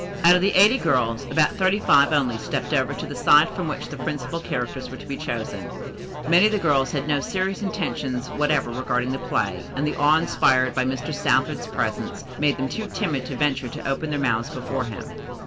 Out of the eighty girls, about thirty five only stepped over to the side from which the principal characters were to be chosen. Many of the girls had no serious intentions whatever regarding the play, and the awe inspired by Mr. Southard's presence made them too timid to venture to open their mouths before him.